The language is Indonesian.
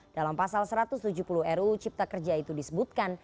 dalam pasal satu ratus tujuh puluh ruu cipta kerja itu disebutkan